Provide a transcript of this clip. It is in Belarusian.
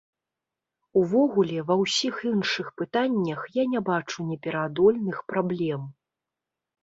Увогуле, ва ўсіх іншых пытаннях я не бачу непераадольных праблем.